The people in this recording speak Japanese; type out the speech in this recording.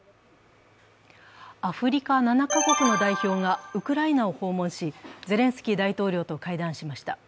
アフリカ７か国の代表がウクライナを訪問し、ゼレンスキー大統領と会談しました。